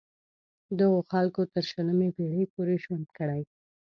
دغو خلکو تر شلمې پیړۍ پورې ژوند کړی.